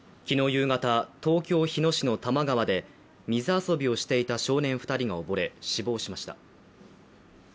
夕方、東京・日野市の多摩川で水遊びをしていた少年２人が溺れ、死亡しました。